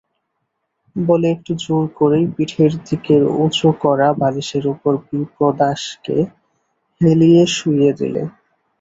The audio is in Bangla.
বলে একটু জোর করেই পিঠের দিকের উঁচু-করা বালিশের উপর বিপ্রদাসকে হেলিয়ে শুইয়ে দিলে।